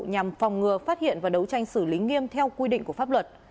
nhằm phòng ngừa phát hiện và đấu tranh xử lý nghiêm theo quy định của pháp luật